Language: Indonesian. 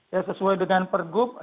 ya sesuai dengan pergub